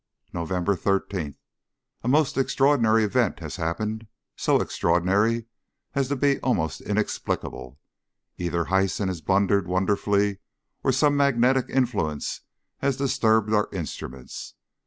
November 13. A most extraordinary event has happened, so extraordinary as to be almost inexplicable. Either Hyson has blundered wonderfully, or some magnetic influence has disturbed our instruments.